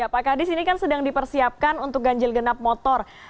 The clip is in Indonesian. pak kadis ini kan sedang dipersiapkan untuk ganjil genap motor